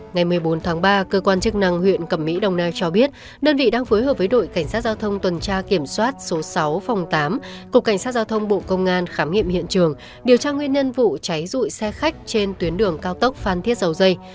ngày một mươi bốn tháng ba cơ quan chức năng huyện cẩm mỹ đồng nai cho biết đơn vị đang phối hợp với đội cảnh sát giao thông tuần tra kiểm soát số sáu phòng tám cục cảnh sát giao thông bộ công an khám nghiệm hiện trường điều tra nguyên nhân vụ cháy rụi xe khách trên tuyến đường cao tốc phan thiết dầu dây